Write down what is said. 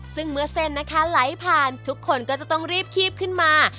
ซึ่งเมื่อเส้นนะคะไหลผ่านทุกคนก็จะต้องรีบคีบขึ้นมา